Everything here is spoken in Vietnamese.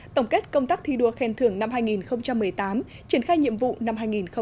tổng kết công tác thi đua khen thưởng năm hai nghìn một mươi tám triển khai nhiệm vụ năm hai nghìn một mươi chín